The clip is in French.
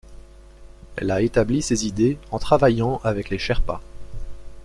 Elle a établi ses idées en travaillant avec les Sherpas.